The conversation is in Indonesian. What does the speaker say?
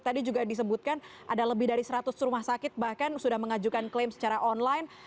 tadi juga disebutkan ada lebih dari seratus rumah sakit bahkan sudah mengajukan klaim secara online